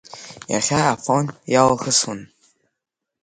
Иахьа Афон иалахысуан.